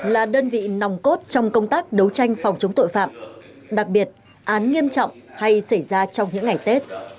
là đơn vị nòng cốt trong công tác đấu tranh phòng chống tội phạm đặc biệt án nghiêm trọng hay xảy ra trong những ngày tết